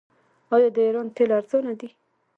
آیا د ایران تیل ارزانه دي؟